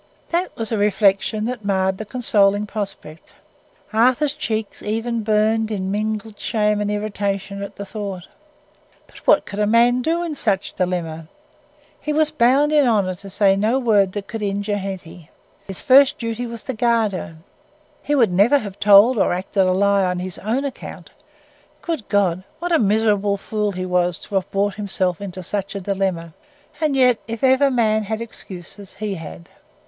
That was a reflection that marred the consoling prospect. Arthur's cheeks even burned in mingled shame and irritation at the thought. But what could a man do in such a dilemma? He was bound in honour to say no word that could injure Hetty: his first duty was to guard her. He would never have told or acted a lie on his own account. Good God! What a miserable fool he was to have brought himself into such a dilemma; and yet, if ever a man had excuses, he had.